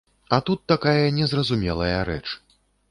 А тут такая незразумелая рэч.